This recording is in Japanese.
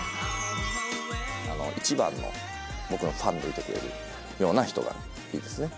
一番の僕のファンでいてくれるような人がいいですね。